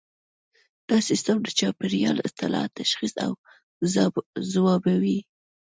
دا سیستم د چاپیریال اطلاعات تشخیص او ځوابوي